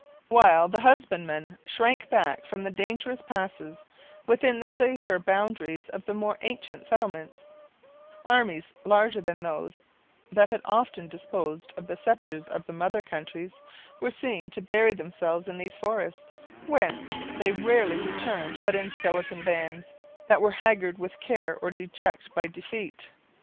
While the husbandman shrank back from the dangerous passes, within the safer boundaries of the more ancient settlements, armies larger than those that had often disposed of the scepters of the mother countries, were seen to bury themselves in these forests, whence they rarely returned but in skeleton bands, that were haggard with care or dejected by defeat.